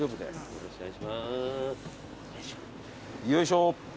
よいしょ。